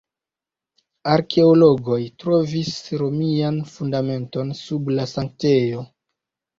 Arkeologoj trovis romian fundamenton sub la sanktejo.